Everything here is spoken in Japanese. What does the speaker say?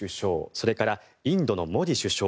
それからインドのモディ首相